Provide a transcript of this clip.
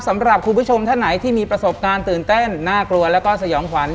สำหรับคุณผู้ชมท่านไหนที่มีประสบการณ์ตื่นเต้นน่ากลัวแล้วก็สยองขวัญ